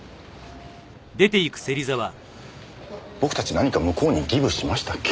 僕たち何か向こうにギブしましたっけ？